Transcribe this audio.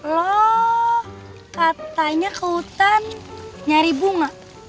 loh katanya ke hutan nyari bunga